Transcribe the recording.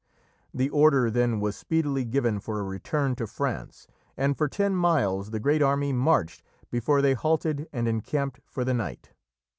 The order then was speedily given for a return to France, and for ten miles the great army marched before they halted and encamped for the night.